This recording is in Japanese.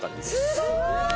すごい！